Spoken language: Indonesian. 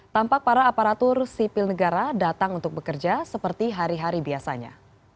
tampak para aparatur sipil negara datang untuk bekerja seperti hari hari biasanya